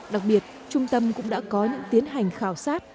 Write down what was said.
đặc biệt trung tâm cũng đã có những tiến hành khảo sát